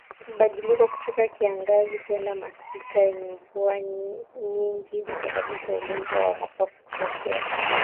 Mabadiliko kutoka kiangazi kwenda masika yenye mvua nyingi husababisha ugonjwa wa mapafu kutokea